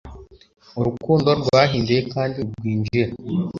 urukundo rwahinduye kandi ntirwinjira